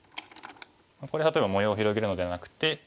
これ例えば模様を広げるのではなくて。